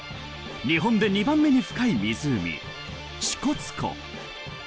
日本で２番目に深い湖・支笏湖。